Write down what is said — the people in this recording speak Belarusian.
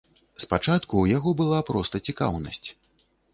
Спачатку ў яго была проста цікаўнасць.